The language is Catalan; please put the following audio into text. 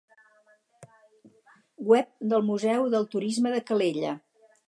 Web del Museu del Turisme de Calella.